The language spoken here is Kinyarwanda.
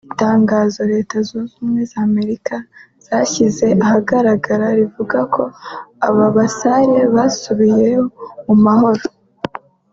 Itangazo Leta Zunze Ubumwe za Amerika zashyize ahagaragara rivuga ko aba basare basubiyeyo mu mahoro